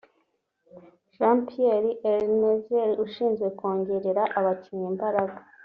Jean Pierre Ernnzen (ushinzwe kongerera abakinnyi imbaraga)